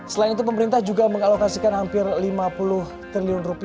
selain itu pemerintah juga mengalokasikan hampir rp lima puluh triliun